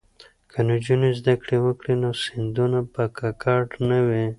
که نجونې زده کړې وکړي نو سیندونه به ککړ نه وي.